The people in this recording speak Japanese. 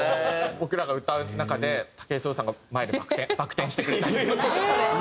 僕らが歌う中で武井壮さんが前でバク転してくれたりとか。